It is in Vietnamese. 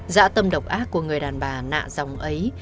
dã tâm độc ác của người đàn bà nạ dòng ấy